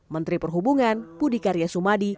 menteri perhubungan budi karya sumadi